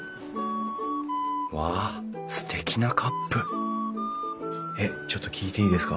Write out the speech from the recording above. うわすてきなカップちょっと聞いていいですか？